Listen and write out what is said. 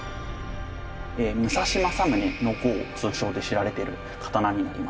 武蔵正宗の号通称で知られてる刀になりまして。